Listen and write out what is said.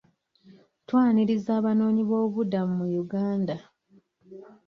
Twaniriza abanoonyi b'obubuddamu mu Uganda.